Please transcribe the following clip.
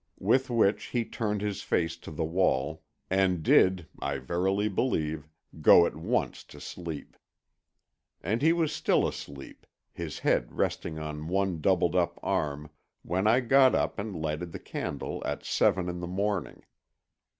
With which he turned his face to the wall, and did, I verily believe, go at once to sleep. And he was still asleep, his head resting on one doubled up arm, when I got up and lighted the candle at seven in the morning.